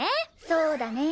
そうだね。